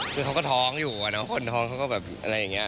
คือเขาก็ท้องอยู่อะเนาะคนท้องเขาก็แบบอะไรอย่างนี้